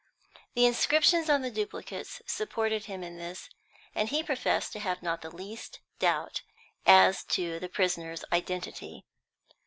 The inscriptions on the duplicates supported him in this, and he professed to have not the least doubt as to the prisoner's identity.